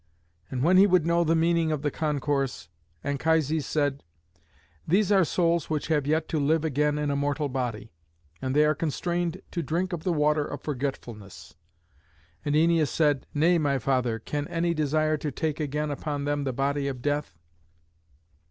And when he would know the meaning of the concourse, Anchises said, "These are souls which have yet to live again in a mortal body, and they are constrained to drink of the water of forgetfulness." And Æneas said, "Nay, my father, can any desire to take again upon them the body of death?"